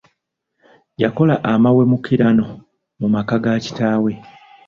Yakola amaweemukirano mu maka ga kitaawe.